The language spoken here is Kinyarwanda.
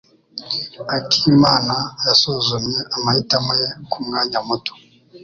Akimana yasuzumye amahitamo ye kumwanya muto.